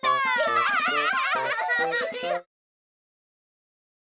ハハハハハ！